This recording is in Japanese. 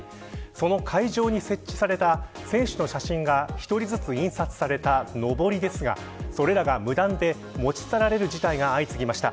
その会場に設置された選手の写真が１人ずつ印刷されたのぼりですがそれらが無断で持ち去られる事態が相次ぎました。